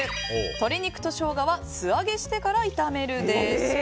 鶏肉とショウガは素揚げしてから炒めるです。